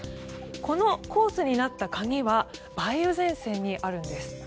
このコースになった鍵は梅雨前線にあるんです。